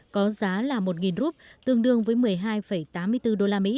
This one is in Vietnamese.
có giá là một rup tương đương với một mươi hai tám mươi bốn usd